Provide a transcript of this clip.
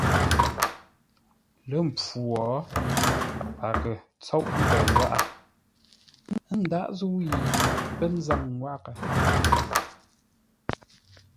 Lə́ mpfu wo; paghʼə tsóʼ ntəʉ wághʼə ə́ ndághʼ zə̂u yi pə́ nzâŋ wághʼə.